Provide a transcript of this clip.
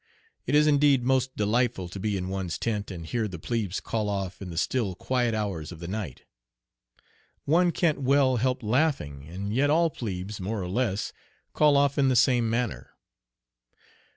It is indeed most delightful to be in one's tent and here the plebes call off in the still quiet hours of the night. One can't well help laughing, and yet all plebes, more or less, call off in the same manner.